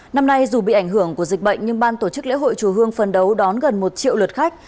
năm nay dù bị ảnh hưởng của dịch bệnh nhưng ban tổ chức lễ hội chùa hương phấn đấu đón gần một triệu lượt khách